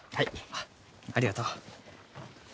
あっありがとう。